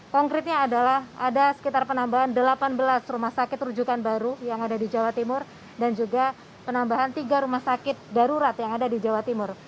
konkretnya adalah ada sekitar penambahan delapan belas rumah sakit rujukan baru yang ada di jawa timur dan juga penambahan tiga rumah sakit darurat yang ada di jawa timur